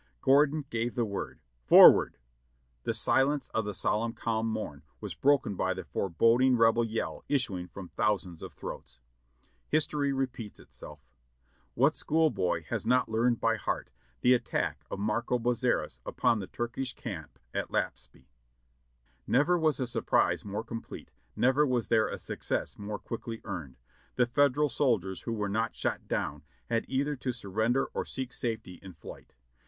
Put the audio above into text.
Gordon gave the word. '"Forward!" The silence of the solemn calm morn was broken by the for boding Rebel yell issuing from thousands of throats. History repeats itself. What schoolboy has not learned by heart the attack of Marco Bozzaris upon the Turkish camp at Laspi? Xever was a surprise more complete, never was there a success more quickly earned. The Federal soldiers who were not shot down had either to surrender or seek safety in flight.